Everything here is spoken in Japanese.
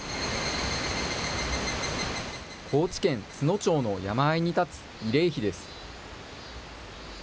高知県津野町の山あいに立つ慰霊碑です。